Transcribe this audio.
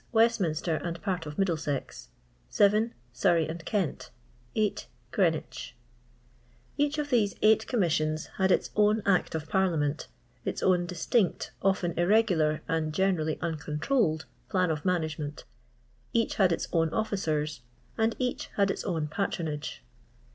Westminster and part of Middlesex. 7. ^Surrey and Kent. 8. (irei nwich. Each of these eight Commissions had its own Act of Parliament ; its own distinct, ofien irregular 3. 4. 6. LONDON LABOUR AND THE LONDON POOR. 415 nnd generally uncontroned plan of management; each had its own officers ; and each had its own patronage.